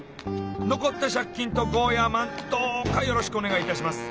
残った借金とゴーヤーマンどうかよろしくお願いいたします。